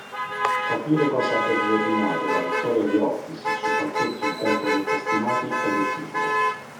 Capire cosa abbia determinato la vittoria di Office su pacchetti un tempo molto stimati è difficile.